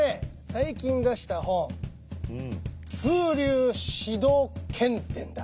最近出した本「風流志道軒伝」だ。